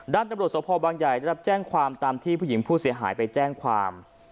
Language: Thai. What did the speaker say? ตำรวจสภบางใหญ่ได้รับแจ้งความตามที่ผู้หญิงผู้เสียหายไปแจ้งความ